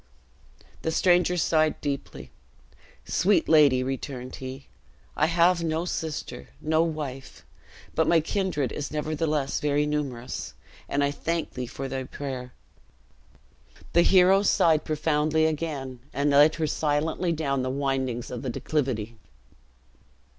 The stranger sighed deeply: "Sweet lady," returned he, "I have no sister, no wife. But my kindred is nevertheless very numerous, and I thank thee for thy prayer." The hero sighed profoundly again, and led her silently down the windings of the declivity.